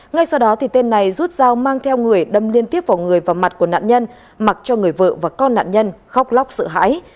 ngay sau đó thì tên này rút dao mang theo người đâm liên tiếp vào người và mặt của nạn nhân mặc cho người vợ và con nạn nhân khóc lóc sợ hãi